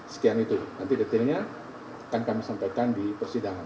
sekian itu nanti detailnya akan kami sampaikan di persidangan